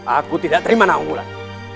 aku tidak terima nama allah